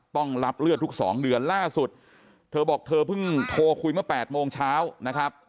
ต้องรับเลือดทุก๒เดือนล่าสุดเธอบอกเธอเพิ่งโทรคุยเมื่อ๘โมงเช้านะครับ